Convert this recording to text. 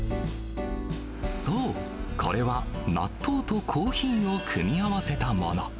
そう、これは納豆とコーヒーを組み合わせたもの。